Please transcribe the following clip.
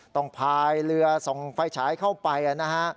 พายเรือส่องไฟฉายเข้าไปนะฮะ